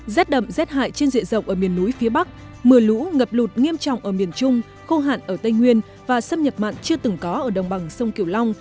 rét đậm rét hại trên diện rộng ở miền núi phía bắc mưa lũ ngập lụt nghiêm trọng ở miền trung khô hạn ở tây nguyên và xâm nhập mặn chưa từng có ở đồng bằng sông kiều long